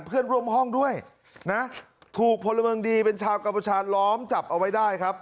เพื่อนร่วมห้องด้วยนะถูกพลเมืองดีเป็นชาวกัมพชาล้อมจับเอาไว้ได้ครับ